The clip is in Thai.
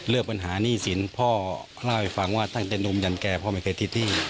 ปัญหาหนี้สินพ่อเล่าให้ฟังว่าตั้งแต่นมยันแก่พ่อไม่เคยที่นี่